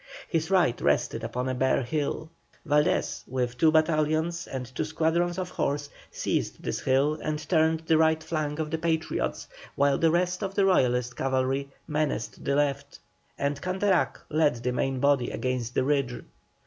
His right rested upon a bare hill. Valdés, with two battalions and two squadrons of horse, seized this hill and turned the right flank of the Patriots, while the rest of the Royalist cavalry menaced the left, and Canterac led the main body against the ridge.